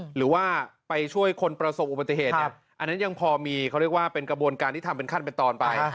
หรือว่าไปช่วยคนประสบอุบัติเหตุเนี่ยอันนั้นยังพอมีเขาเรียกว่าเป็นกระบวนการที่ทำเป็นขั้นเป็นตอนไป